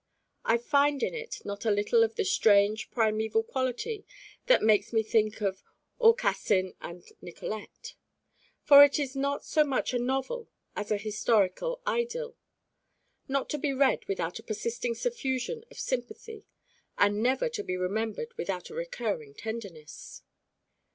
I find in it not a little of the strange, primeval quality that makes me think of "Aucassin and Nicolette." For it is not so much a novel as an historical idyl, not to be read without a persisting suffusion of sympathy and never to be remembered without a recurring tenderness.